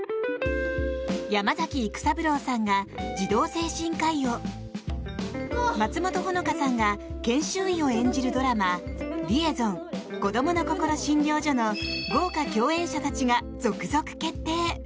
山崎育三郎さんが児童精神科医を松本穂香さんが研修医を演じるドラマ「リエゾン−こどものこころ診療所−」の豪華共演者たちが続々決定！